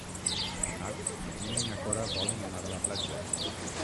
Dimarts na Gina i na Cora volen anar a la platja.